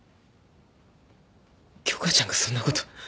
京花ちゃんがそんなこと。